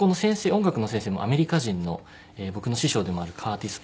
音楽の先生もアメリカ人の僕の師匠でもあるカーティス